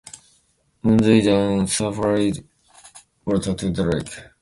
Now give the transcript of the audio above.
Mondai dam supplies water to the lake.